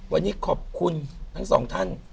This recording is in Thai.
วันนี้ขอบคุณทั้งสองท่าน